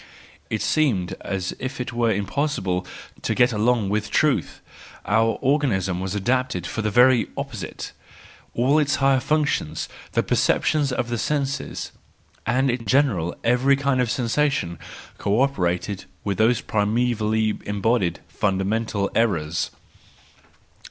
It seemed as if it were impossible to get along with truth, our organism was adapted for the very opposite; all its higher functions, the perceptions of the senses, and in general every kind of sensation co operated with those primevally embodied, funda¬ mental errors.